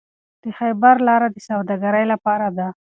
د خیبر لاره د سوداګرۍ لپاره ده.